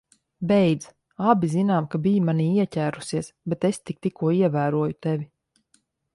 Beidz. Abi zinām, ka biji manī ieķērusies, bet es tik tikko ievēroju tevi.